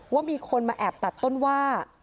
ว่ามีคนมาแอบตัดต้นว่า